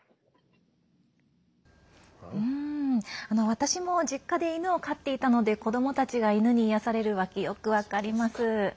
私も実家で犬を飼っていたので子どもたちが犬に癒やされる訳よく分かります。